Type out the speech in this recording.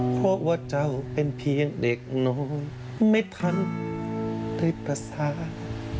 เพราะว่าเจ้าเป็นเพียงเด็กน้อยไม่ทันได้ประสาน